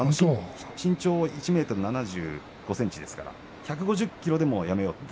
身長が１ｍ７５ｃｍですから１５０ｋｇでやめようと。